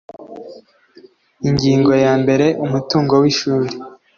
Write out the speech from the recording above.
ingingo ya mbere umutungo w ishuri